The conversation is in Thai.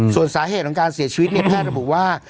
ส่วนสาเหตุของการเสียชีวิตแพทย์ระบุว่า